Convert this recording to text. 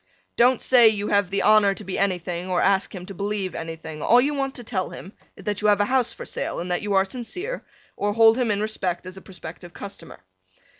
Don't say you have the honor to be anything or ask him to believe anything, all you want to tell him is that you have a house for sale and that you are sincere, or hold him in respect as a prospective customer.